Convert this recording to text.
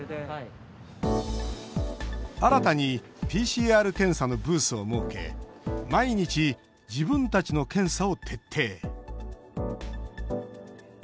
新たにＰＣＲ検査のブースを設け毎日、自分たちの検査を徹底。